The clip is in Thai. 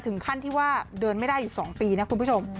ถึงขั้นที่ว่าเดินไม่ได้อยู่๒ปีนะคุณผู้ชม